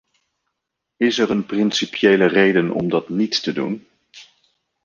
Is er een principiële reden om dat niet te doen?